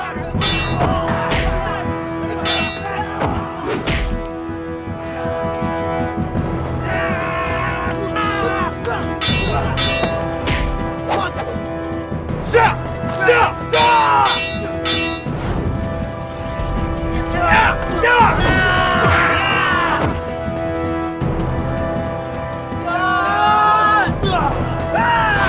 dengan secara paksa